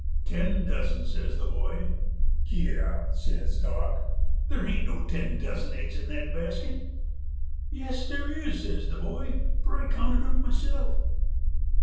"Ten dozen," says the boy. "Git out!" says Dock. "There hain't no ten dozen eggs in that basket!" "Yes, there is," says the boy, "fur I counted 'em myself."